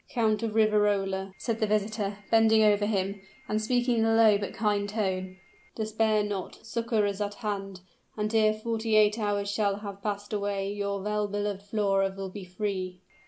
"Count of Riverola," said the visitor, bending over him, and speaking in a low but kind tone, "despair not! Succor is at hand and ere forty eight hours shall have passed away, your well beloved Flora will be free!"